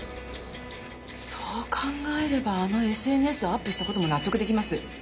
そう考えればあのＳＮＳをアップしたことも納得できます。